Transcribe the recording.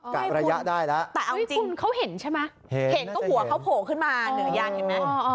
กะระยะได้แล้วแต่เอาจริงเขาเห็นใช่ไหมเห็นก็หัวเขาโผล่ขึ้นมาเหนือยางเห็นไหม